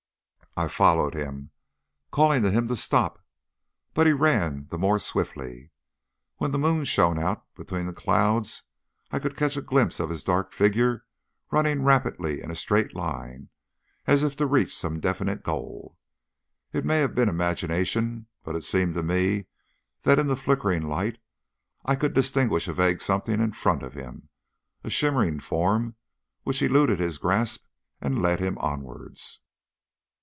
I followed him, calling to him to stop, but he ran the more swiftly. When the moon shone out between the clouds I could catch a glimpse of his dark figure, running rapidly in a straight line, as if to reach some definite goal. It may have been imagination, but it seemed to me that in the flickering light I could distinguish a vague something in front of him a shimmering form which eluded his grasp and led him onwards.